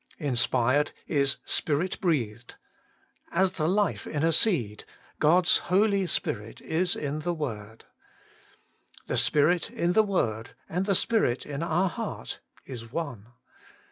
Inspired is Spirit breathed — as the life in a seed, God's Holy Spirit is in the word. The Spirit in the word and the Spirit in our heart is One.